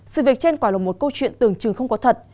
sự việc trên quả là một câu chuyện tưởng chừng không có thật